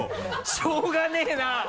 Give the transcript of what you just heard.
しょうがねぇな！